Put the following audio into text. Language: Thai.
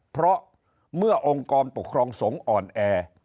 เพราะเมื่อองค์กรปกครองสงฆ์อ่อนแอ